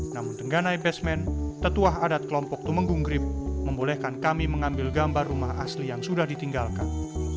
namun tengganai basmen tetuah adat kelompok tumenggunggrip membolehkan kami mengambil gambar rumah asli yang sudah ditinggalkan